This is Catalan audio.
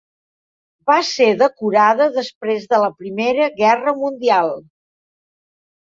Va ser decorada després de la Primera Guerra Mundial.